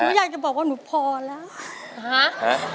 หนูอยากจะบอกว่าหนูพอแล้ว